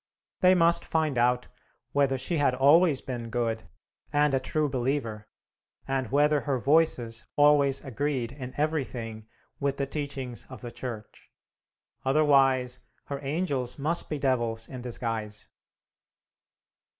They must find out whether she had always been good, and a true believer, and whether her Voices always agreed in everything with the teachings of the Church. Otherwise her angels must be devils in disguise.